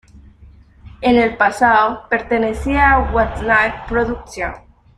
En el pasado, pertenecía a Watanabe Productions.